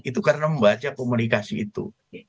itu karena membaca komunikasi itu